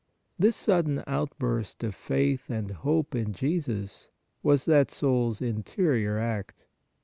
This sudden outburst of faith and hope in Jesus was that soul s interior act.